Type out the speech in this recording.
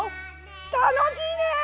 楽しいね！